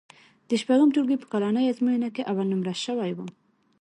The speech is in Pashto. د شپږم ټولګي په کلنۍ ازموینه کې اول نومره شوی وم.